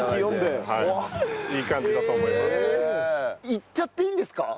いっちゃっていいんですか？